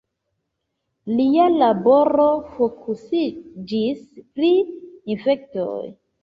Lia laboro fokusiĝis pri infektoj.